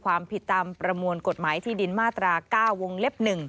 ความผิดตามประมวลกฎหมายที่ดินมาตรา๙วงเล็บ๑